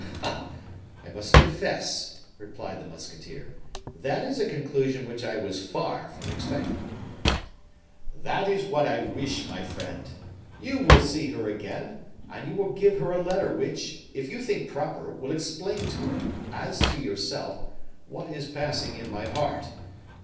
"Ha! I must confess," replied the musketeer, "that is a conclusion which I was far from expecting." "This is what I wish, my friend. You will see her again, and you will give her a letter which, if you think proper, will explain to her, as to yourself, what is passing in my heart.